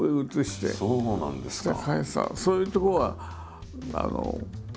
そういうとこは。